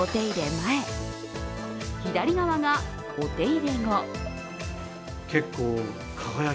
前、左側がお手入れ後。